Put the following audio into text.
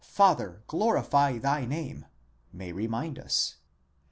Father, glorify thy name, may remind us.